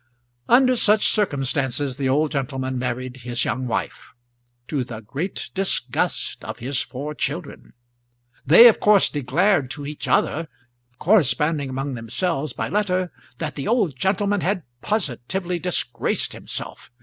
Under such circumstances the old gentleman married his young wife, to the great disgust of his four children. They of course declared to each other, corresponding among themselves by letter, that the old gentleman had positively disgraced himself.